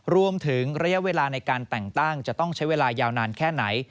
ระยะเวลาในการแต่งตั้งจะต้องใช้เวลายาวนานแค่ไหน